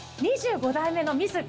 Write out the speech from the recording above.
２５代目のミス